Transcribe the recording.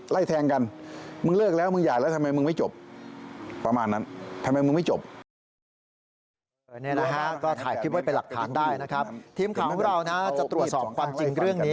ทีมข่าวของเรานะฮะจะตรวจสอบความจริงเรื่องนี้